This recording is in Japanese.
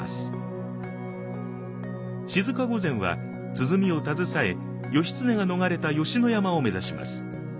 静御前は鼓を携え義経が逃れた吉野山を目指します。